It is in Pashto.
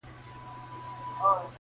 نن په ګودرونو کي د وینو رنګ کرلی دی-